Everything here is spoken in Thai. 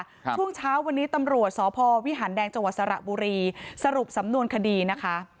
ช่วงเช้าวันนี้ตำรวจสพวิหารแดงจังหวัดสระบุรีสรุปสำนวนคดีนะคะ